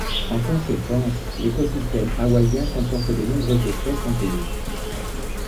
En conséquence, l'écosystème hawaiien comporte de nombreuses espèces endémiques.